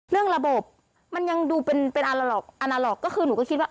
เรื่องระบบมันยังดูเป็นอาล็อกอาณาหรอกก็คือหนูก็คิดว่า